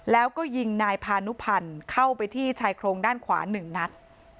แล้วก็ยิงนายพานุพันธ์เข้าไปที่ชายโครงด้านขวา๑นัด